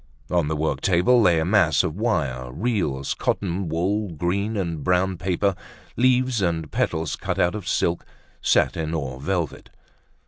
On the work table lay a mass of wire, reels, cotton wool, green and brown paper, leaves and petals cut out of silk, satin or velvet.